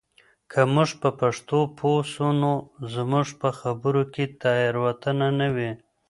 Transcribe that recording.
که موږ په پښتو پوه سو نو زموږ په خبرو کې تېروتنه نه وي.